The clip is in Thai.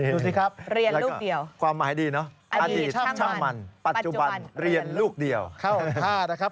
ดูสิครับเรียนลูกเดียวปัจจุบันเรียนลูกเดียวเข้าท่านะครับ